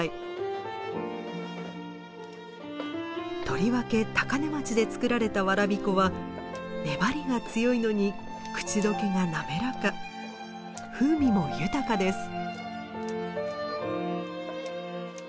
とりわけ高根町で作られたわらび粉は粘りが強いのに口溶けが滑らか風味も豊かです。